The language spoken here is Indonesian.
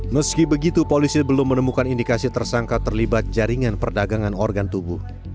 meski begitu polisi belum menemukan indikasi tersangka terlibat jaringan perdagangan organ tubuh